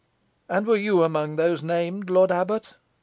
"And were you amongst those named, lord abbot?"